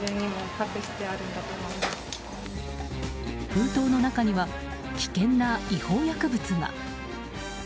封筒の中には危険な違法薬物が。